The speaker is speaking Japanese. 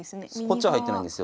こっちは入ってないんですよ。